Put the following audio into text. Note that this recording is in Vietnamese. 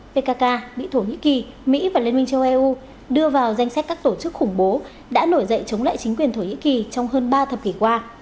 pkk bị thổ nhĩ kỳ mỹ và liên minh châu âu đưa vào danh sách các tổ chức khủng bố đã nổi dậy chống lại chính quyền thổ nhĩ kỳ trong hơn ba thập kỷ qua